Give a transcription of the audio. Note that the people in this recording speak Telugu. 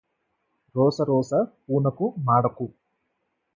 రొసరొస పూనకు మాడకు